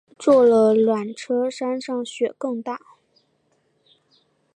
坐了缆车山上雪更大